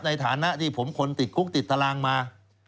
ในฐานะที่ผมคนติดคุกติดตารางมา